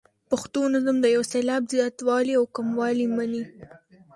پښتو نظم د یو سېلاب زیاتوالی او کموالی مني.